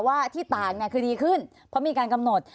ว่าที่ต่างคือดีขึ้นเพราะมีการกำหนด